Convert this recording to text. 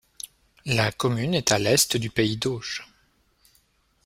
La commune est à l'est du pays d'Auge.